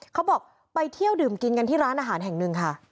เขาบอกไปเที่ยวดื่มกินกันที่ร้านอาหารแห่งหนึ่งค่ะ